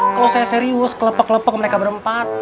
kalau saya serius kelepek lepek mereka berempat